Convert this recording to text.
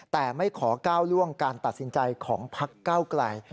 แต่ไม่ขอก้าวล่วงการตัดสินใจของพักเก้าไกล